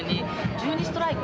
１２ストライク？